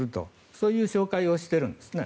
そういう紹介をしてるんですね。